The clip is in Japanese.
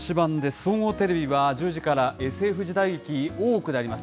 総合テレビは１０時からＳＦ時代劇、大奥であります。